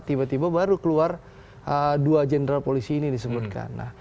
tiba tiba baru keluar dua jenderal polisi ini disebutkan